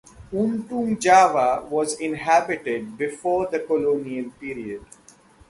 Untung Jawa was inhabited before the colonial period.